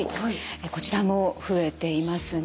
こちらも増えていますね。